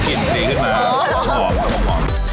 กลิ่นตีขึ้นมาออม